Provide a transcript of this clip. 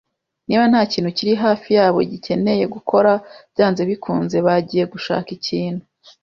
Niba ntakintu kiri hafi yabo gikeneye gukora, byanze bikunze bagiye gushaka ikintu.